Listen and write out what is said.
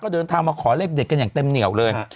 เดินทางมาขอเลขเด็ดกันอย่างเต็มเหนียวเลย